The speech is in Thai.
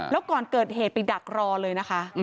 แล้วก่อนเกิดเหตุไปดักรอเลยนะคะ